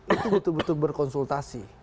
itu betul betul berkonsultasi